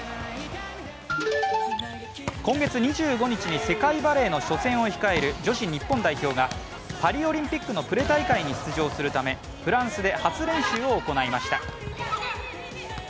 今月２５日に世界バレーの初戦を控える女子日本代表がパリオリンピックのプレ大会に出場するためフランスで初練習を行いました。